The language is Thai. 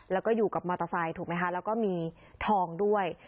แล้วก็อยู่กับมอเตอร์ไซค์ถูกไหมคะแล้วก็มีทองด้วย